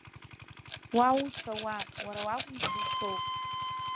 Уа уцәа, уа, уара уакәым сзышьҭоу.